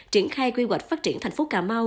triển khai quy hoạch phát triển thành phố cà mau